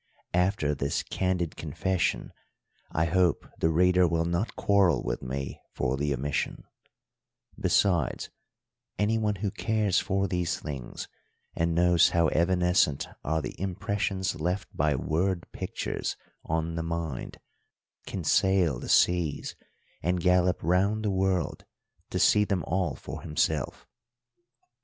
After this candid confession, I hope the reader will not quarrel with me for the omission; besides, anyone who cares for these things, and knows how evanescent are the impressions left by word pictures on the mind, can sail the seas and gallop round the world to see them all for himself.